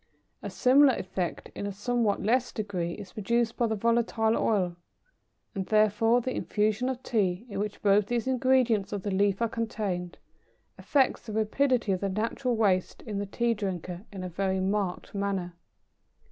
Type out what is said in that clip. A similar effect, in a somewhat less degree, is produced by the volatile oil, and, therefore, the infusion of Tea, in which both these ingredients of the leaf are contained, affects the rapidity of the natural waste in the Tea drinker, in a very marked manner.